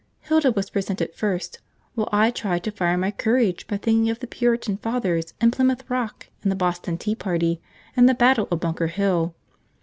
Hilda was presented first, while I tried to fire my courage by thinking of the Puritan Fathers, and Plymouth Rock, and the Boston Tea Party, and the battle of Bunker Hill.